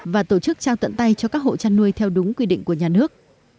và tổ chức trao tận tay cho các hộ chăn nuôi theo đúng quy định của nhà nước